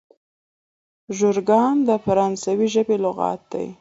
ژورګان د فرانسوي ژبي لغات دئ.